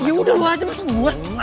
ya udah lu aja masuk gua